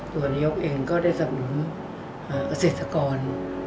ส่วนยกเองก็ได้สำหรับเศรษฐกร